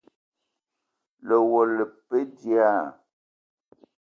Lewela le pe dilaah?